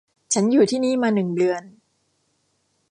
ฉันอยู่ที่นี่มาหนึ่งเดือน